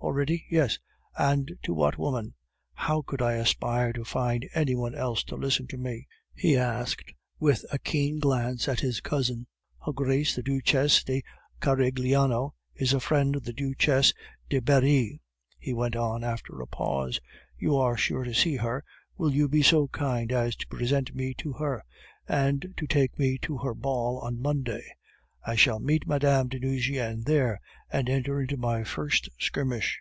"Already!" "Yes." "And to that woman!" "How could I aspire to find any one else to listen to me?" he asked, with a keen glance at his cousin. "Her Grace the Duchesse de Carigliano is a friend of the Duchesse de Berri," he went on, after a pause; "you are sure to see her, will you be so kind as to present me to her, and to take me to her ball on Monday? I shall meet Mme. de Nucingen there, and enter into my first skirmish."